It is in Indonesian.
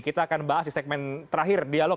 kita akan bahas di segmen terakhir dialog